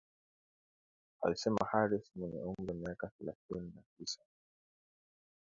alisema Harris mwenye umri wa miaka thelathini na tisa